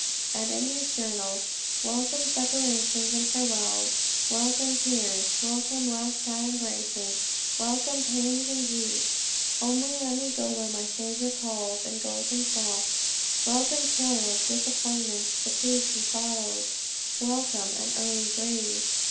And in his journal "Welcome separations and farewells; welcome tears; welcome last sad embraces; welcome pangs and griefs; only let me go where my Saviour calls and goes himself; welcome toils, disappointments, fatigues and sorrows; WELCOME AN EARLY GRAVE!"